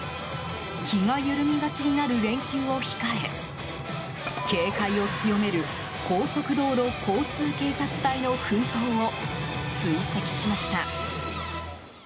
気が緩みがちになる連休を控え警戒を強める高速道路交通警察隊の奮闘を追跡しました。